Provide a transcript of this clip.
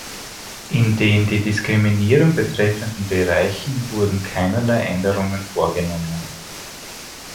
In den die Diskriminierung betreffenden Bereichen wurden keinerlei Änderungen vorgenommen.